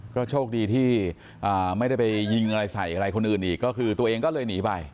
ก็โชคดีที่ไม่ได้ไปยิงอะไรใส่อะไรคนอื่นอีกก็คือตัวเองก็เลยหนีไป